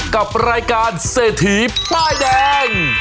กับรายการเศรษฐีป้ายแดง